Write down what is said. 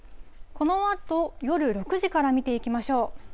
このあと夜６時から見ていきましょう。